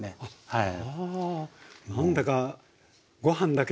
はい。